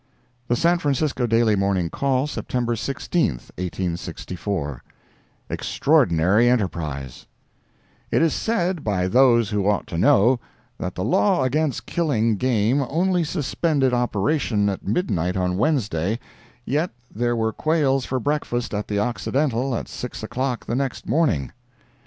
The San Francisco Daily Morning Call, September 16, 1864 EXTRAORDINARY ENTERPRISE It is said by those who ought to know, that the law against killing game only suspended operation at midnight on Wednesday, yet there were quails for breakfast at the Occidental at six o'clock the next morning.